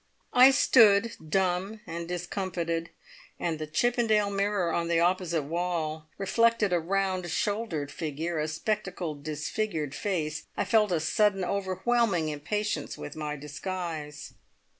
I stood dumb and discomfited, and the Chippendale mirror on the opposite wall reflected a round shouldered figure, a spectacled, disfigured face. I felt a sudden, overwhelming impatience with my disguise.